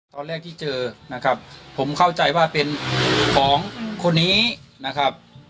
ตอนแรกที่เจอนะครับผมเข้าใจว่าเป็นของคนนี้นะครับ